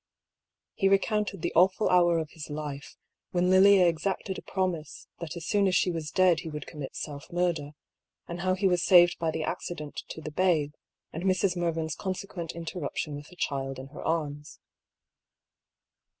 He recounted the awful hour of his life, when Lilia exacted a promise that as soon as she was dead he would commit self murder, and how he was saved by the acci dent to the babe, and Mrs. Mervyn's consequent inter ruption with the child in her arms.